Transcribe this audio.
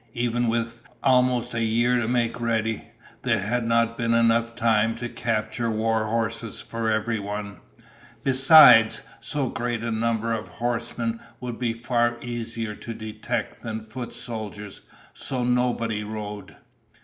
Even with almost a year to make ready, there had not been enough time to capture war horses for everyone. Besides, so great a number of horsemen would be far easier to detect than foot soldiers, so nobody rode.